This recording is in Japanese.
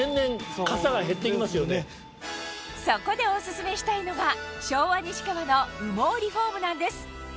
そこでお薦めしたいのが昭和西川の羽毛リフォームなんです